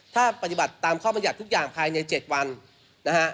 ถ้าปฏิบัติตามข้อบรรยัติทุกอย่างภายใน๗วันนะฮะ